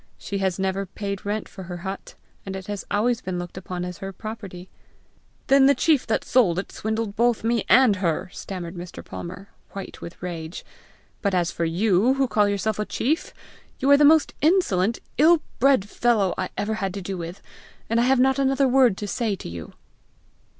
She has never paid rent for her hut, and it has always been looked upon as her property." "Then the chief that sold it swindled both me and her!" stammered Mr. Palmer, white with rage. "But as for you who call yourself a chief, you are the most insolent, ill bred fellow I ever had to do with, and I have not another word to say to you!"